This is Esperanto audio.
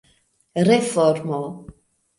reformo